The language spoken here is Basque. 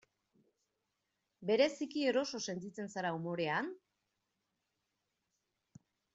Bereziki eroso sentitzen zara umorean?